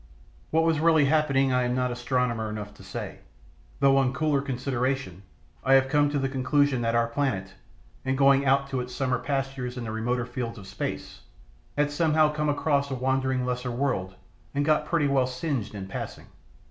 What was really happening I am not astronomer enough to say, though on cooler consideration I have come to the conclusion that our planet, in going out to its summer pastures in the remoter fields of space, had somehow come across a wandering lesser world and got pretty well singed in passing.